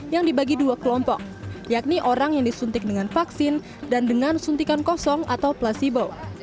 yang dibagi dua kelompok yakni orang yang disuntik dengan vaksin dan dengan suntikan kosong atau placebo